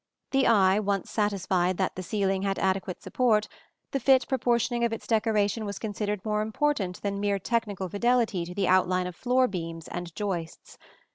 The eye once satisfied that the ceiling had adequate support, the fit proportioning of its decoration was considered far more important than mere technical fidelity to the outline of floor beams and joists.